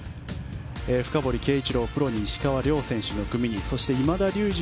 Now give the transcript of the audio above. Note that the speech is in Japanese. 深堀圭一郎プロに石川遼選手の組にそして今田竜二